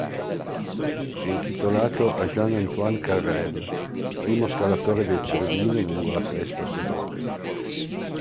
È intitolato a Jean-Antoine Carrel, primo scalatore del Cervino lungo la cresta Sud-Ovest.